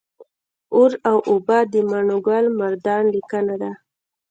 اور او اوبه د ماڼوګل مردان لیکنه ده